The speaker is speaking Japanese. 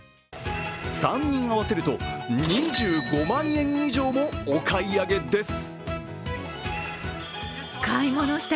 ３人合わせると２５万円以上もお買い上げです。